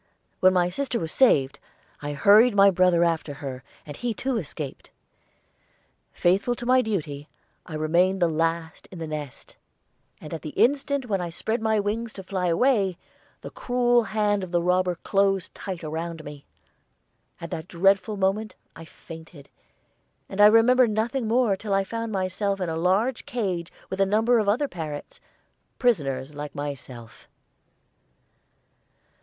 When my sister was saved, I hurried my brother after her, and he too escaped. Faithful to my duty, I remained the last in the nest, and at the instant when I spread my wings to fly away, the cruel hand of the robber closed tight around me. At that dreadful moment I fainted, and I remember nothing more until I found myself in a large cage with a number of other parrots, prisoners like myself.